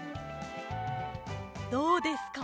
どうですか？